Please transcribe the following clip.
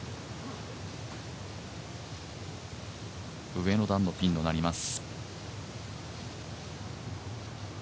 上の段のピンとなります。